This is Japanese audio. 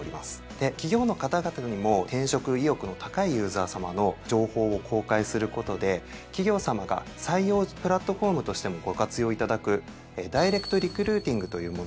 で企業の方々にも転職意欲の高いユーザーさまの情報を公開することで企業さまが採用プラットフォームとしてもご活用いただく「ダイレクトリクルーティング」というものをですね